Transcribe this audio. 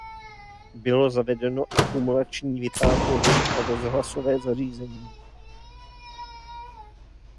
Bylo zavedeno akumulační vytápění a rozhlasové zařízení.